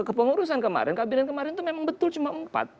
kepengurusan kemarin kabinet kemarin itu memang betul cuma empat